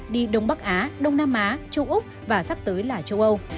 đi đông bắc á đông nam á châu úc và sắp tới là châu âu